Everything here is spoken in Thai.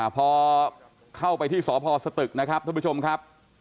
พอเข้าไปที่สพสตึกนะครับท่านผู้ชมครับ